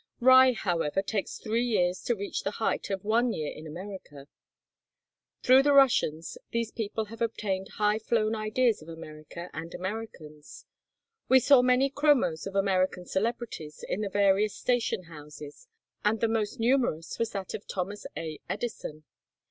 Rye, however, takes three years to reach the height of one year in America. Through the Russians, these people have obtained high flown ideas of America and Americans. We saw many chromos of American celebrities in the various station houses, and the most numerous was that of Thomas A. Edison.